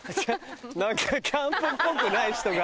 何かキャンプっぽくない人が。